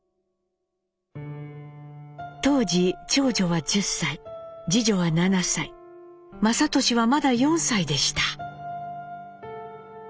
当時長女は１０歳次女は７歳雅俊はまだ４歳でした。